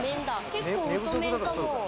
結構、太麺かも。